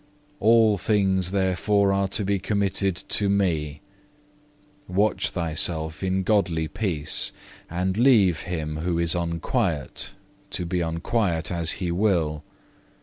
All things therefore are to be committed to Me; watch thou thyself in godly peace, and leave him who is unquiet to be unquiet as he will.